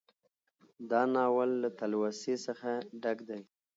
دا ناول له تلوسې څخه ډک دى